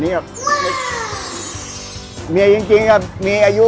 เมียจริงมีอายุ๑๘